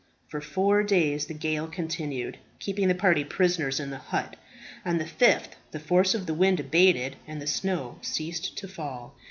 For four days the gale continued, keeping the party prisoners in the hut. On the fifth, the force of the wind abated, and the snow ceased to fall.